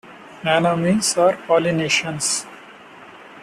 Nanumeans are Polynesians.